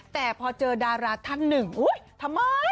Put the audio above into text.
แต่พอเจอดาราท่านหนึ่งอุ๊ยทำไม